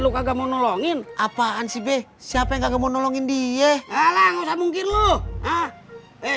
lu kagak mau nolongin apaan sih siapa yang mau nolongin dia ala ngusah mungkin lu eh